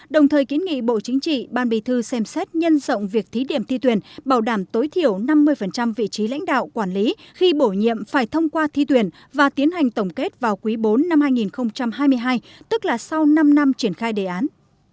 đồng thời kiến nghị bộ chính trị ban bì thư xem xét nhân rộng việc thí điểm thi tuyển bảo đảm tối thiểu năm mươi vị trí lãnh đạo quản lý khi bổ nhiệm phải thông qua thi tuyển và tiến hành tổng kết vào quý bốn năm hai nghìn hai mươi hai tức là sau năm năm triển khai đề án